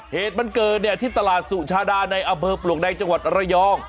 เหตุมันเกิดเนี่ยที่ตลาดสุชาดาในอำเภอปลวกแดงจังหวัดระยอง